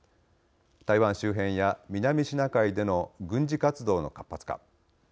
台湾周辺や南シナ海での軍事活動の活発化